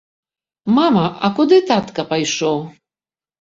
Мама, а куды татка пайшоў?